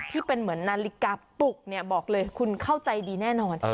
การปลุกว่าจะปลุกนี้บอกเลยคุณค่าวใจดีแน่หน่อย